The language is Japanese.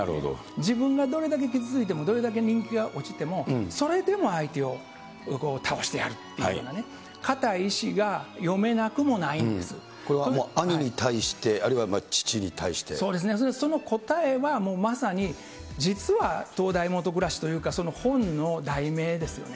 自分がどれだけ傷ついても、どれだけ人気が落ちても、それでも相手を倒してやるというような、これはもう、兄に対して、そうですね、その答えはもうまさに実は灯台下暗しというか、本の題名ですよね。